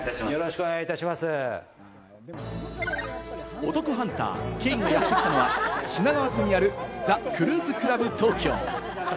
お得ハンター・兄がやってきたのは、品川区にある、ザ・クルーズクラブ東京。